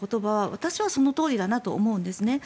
私はそのとおりだなと思うんです。